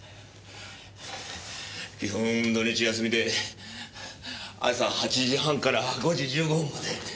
基本土日休みで朝８時半から５時１５分まで。